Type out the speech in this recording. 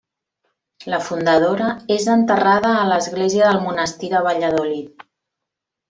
La fundadora és enterrada a l'església del monestir de Valladolid.